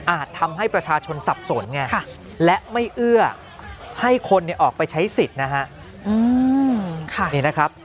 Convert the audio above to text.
ทำให้ประชาชนสับสนไงและไม่เอื้อให้คนออกไปใช้สิทธิ์นะฮะ